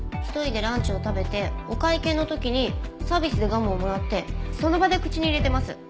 １人でランチを食べてお会計の時にサービスでガムをもらってその場で口に入れてます。